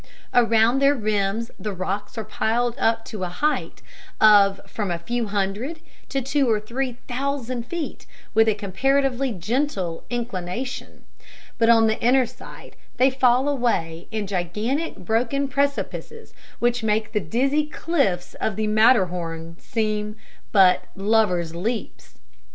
Around their rims the rocks are piled up to a height of from a few hundred to two or three thousand feet, with a comparatively gentle inclination, but on the inner side they fall away in gigantic broken precipices which make the dizzy cliffs of the Matterhorn seem but "lover's leaps."